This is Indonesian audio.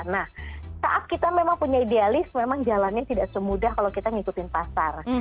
nah saat kita memang punya idealis memang jalannya tidak semudah kalau kita ngikutin pasar